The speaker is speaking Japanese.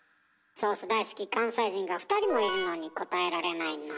ソース大好き関西人が２人もいるのに答えられないなんて。